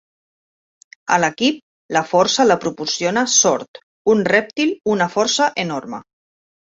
A l'equip, la força la proporciona "Sord", un rèptil una força enorme.